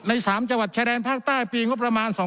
ในสามจัวร์ชะแดนภาคใต้ปีงบประมาณ๒๕๖๕ล้าน